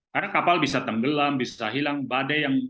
karena kapal bisa tenggelam bisa hilang badai